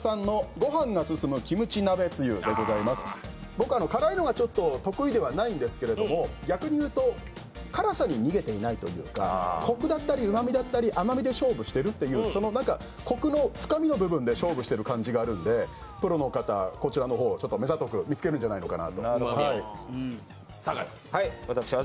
僕、辛いのがちょっと得意ではないんですけれども、逆にいうと辛さに逃げていないというかコクだったりうまみだったり甘みに勝負しているというそのコクの深みの部分で勝負している感じがするのでプロの方、こちらの方、目ざとく見つけるんじゃないのかなと。